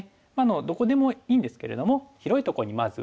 どこでもいいんですけれども広いところにまず打っていて。